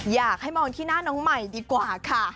อยากให้มองที่หน้าน้องใหม่ดีกว่าค่ะ